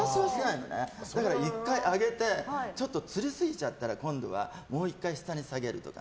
だから１回上げてちょっとつりすぎちゃったら今度はもう１回下に下げるとか。